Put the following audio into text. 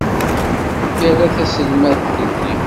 Ira taselmadt-nni.